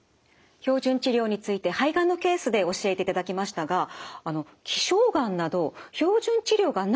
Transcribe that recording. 標準治療について肺がんのケースで教えていただきましたが希少がんなど標準治療がないという場合もありますよね。